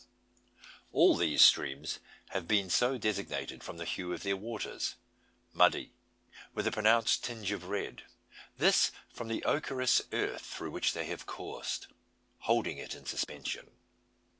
All these streams have been so designated from the hue of their waters muddy, with a pronounced tinge of red: this from the ochreous earth through which they have coursed, holding it in suspension.